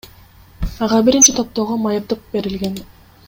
Ага биринчи топтогу майыптык берилген.